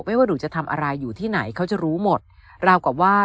ว่าหนูจะทำอะไรอยู่ที่ไหนเขาจะรู้หมดราวกับว่า